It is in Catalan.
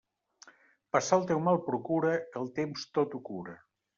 Passar el teu mal procura, que el temps tot ho cura.